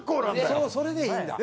そうそれでいいんだ。